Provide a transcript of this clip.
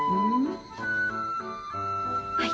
はい。